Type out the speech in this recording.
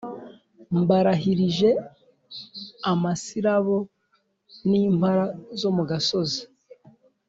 Mbarahirije amasirabo n’impara zo mu gasozi